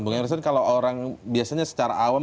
bang emerson kalau orang biasanya secara awam